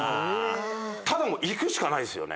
ただもう行くしかないですよね。